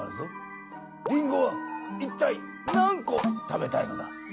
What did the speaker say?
りんごはいったい何コ食べたいのだ。